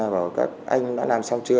bảo các anh đã làm xong chưa